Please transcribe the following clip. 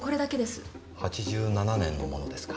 ８７年のものですか。